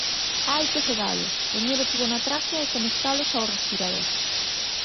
Hai que sedalos, poñer o tubo na traquea e conectalos ao respirador.